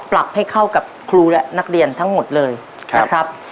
ปรับให้เข้ากับครูและนักเรียนทั้งหมดเลยนะครับ